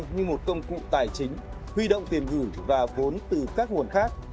như một công cụ tài chính huy động tiền gửi và vốn từ các nguồn khác